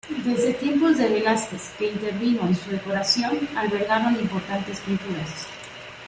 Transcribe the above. Desde tiempos de Velázquez, que intervino en su decoración, albergaron importantes pinturas.